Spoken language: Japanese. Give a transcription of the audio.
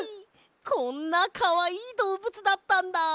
こんなかわいいどうぶつだったんだ。